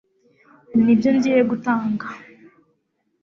Nibyo ngiye gutanga